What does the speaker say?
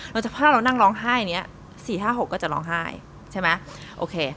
แล้วแต่พอเรานั่งร้องไห้อย่างเงี้ยสี่ห้าหกก็จะร้องไห้ใช่ไหมโอเค